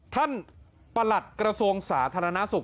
ประหลัดกระทรวงสาธารณสุข